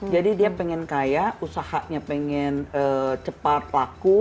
jadi dia pengen kaya usahanya pengen cepat laku